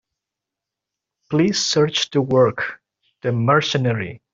Please search the work, The Mercenary.